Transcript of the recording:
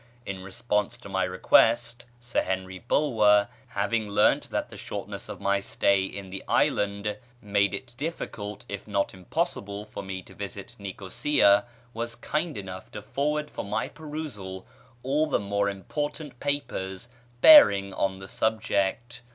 In response to my request Sir Henry Bulwer, having learnt that the shortness of my stay in the island made it difficult, if not impossible, for me to visit Nicosia, was kind enough to forward for my perusal all the more important papers bearing on the subject.